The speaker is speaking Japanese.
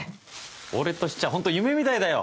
俺としちゃホント夢みたいだよ。